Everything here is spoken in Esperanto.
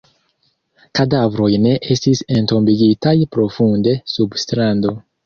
Kadavroj ne estis entombigitaj profunde sub strando.